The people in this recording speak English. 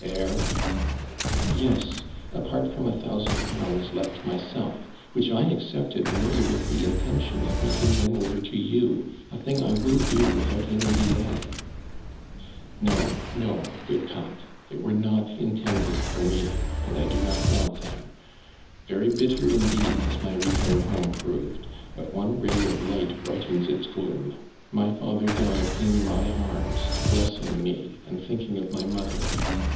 ARMAND DURAND. 45 was ab hail less, i leart. lirect \]oy iay by »nce, my his Ipen jthev" •'Yes, apart from a thousand pounds left myself, whicli I accepted merely with the intention of making them over to you, a thing I will do without any delay." " No, no, good tank. 'I1iey were not in tended for me, and I do not want them. "S'ery bitter indeed has my return home proved, but one ray of light brightens its gloom. My father died in my arms, bless ing me and thinking of my mother.